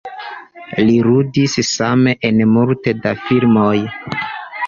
Li ludis same en multe da filmoj.